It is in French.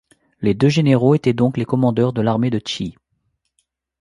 Les deux généraux étaient donc les cocommandeurs de l'armée de Qi.